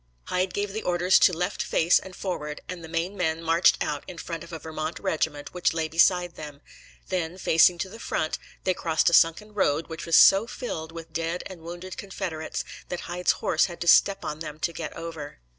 Hyde gave the orders to left face and forward and the Maine men marched out in front of a Vermont regiment which lay beside them; then, facing to the front, they crossed a sunken road, which was so filled with dead and wounded Confederates that Hyde's horse had to step on them to get over.